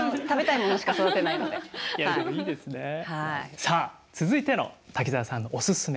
さあ続いての滝沢さんのおススメ